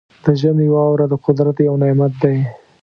د ژمي واوره د قدرت یو نعمت دی.